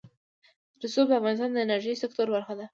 رسوب د افغانستان د انرژۍ سکتور برخه ده.